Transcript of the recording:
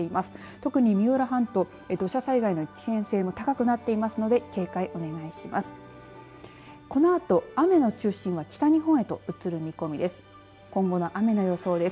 特に三浦半島土砂災害の危険性も高くなっていますので警戒お願いします。